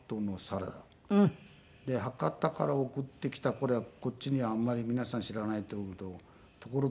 で博多から送ってきたこれはこっちにはあんまり皆さん知らないと思うけど。